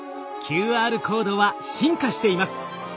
ＱＲコードは進化しています。